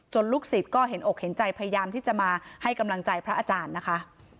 ลูกศิษย์ก็เห็นอกเห็นใจพยายามที่จะมาให้กำลังใจพระอาจารย์นะคะ